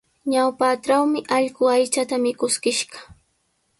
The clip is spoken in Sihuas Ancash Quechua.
Ñawpatrawmi allqu aychata mikuskishqa.